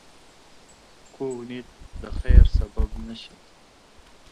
کوږ نیت د خیر سبب نه شي